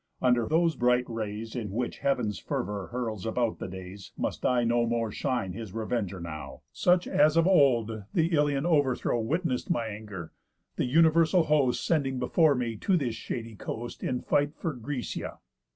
Under those bright rays, In which heav'n's fervour hurls about the days. Must I no more shine his revenger now, Such as of old the Ilion overthrow Witness'd my anger, th' universal host Sending before me to this shady coast, In fight for Grecia.